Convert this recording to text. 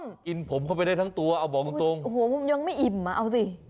กินผมเข้าไปได้ทั้งตัวเอาบอกตรงตรงโอ้โหยังไม่อิ่มอ่ะเอาสิ